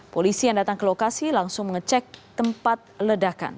polisi yang datang ke lokasi langsung mengecek tempat ledakan